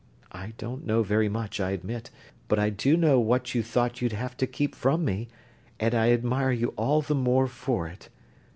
I don't know very much, I admit, but I do know what you thought you'd have to keep from me, and I admire you all the more for it.